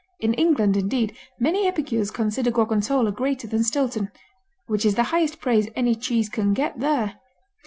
In England, indeed, many epicures consider Gorgonzola greater than Stilton, which is the highest praise any cheese can get there.